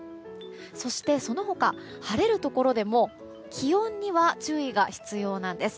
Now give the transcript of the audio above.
そして、その他晴れるところでも気温には注意が必要なんです。